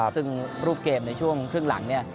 ซึ่งรูปเกมในช่วงครึ่งหลังเนี่ย